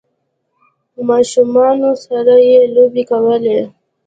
ماشومانو سره یی لوبې کولې